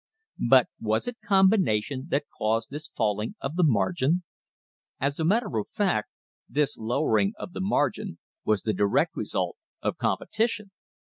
But was it combination that caused this falling of the margin? As a matter of fact this lowering of the margin was the direct result of competition.